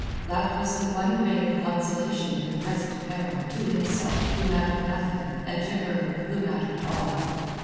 That was the one grain of consolation in the present peril—to himself who mattered nothing and to her, who mattered all.